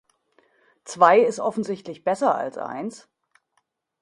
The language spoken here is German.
Zwei ist offensichtlich besser als eins.